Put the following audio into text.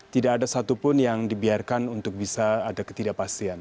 tidak ada satupun yang dibiarkan untuk bisa ada ketidakpastian